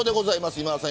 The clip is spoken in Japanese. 今田さん